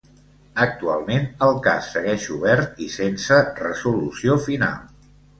Actualment el cas segueix obert i sense resolució final.